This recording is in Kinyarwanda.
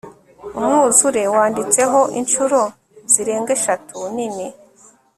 umwuzure wanditseho inshuro zirenga eshatu nini